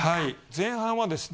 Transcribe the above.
前半はですね